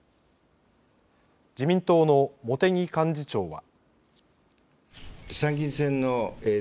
自民党の茂木幹事長は。